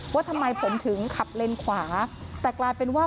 ว่าทำไมผมถึงขับเลนขวาแต่กลายเป็นว่า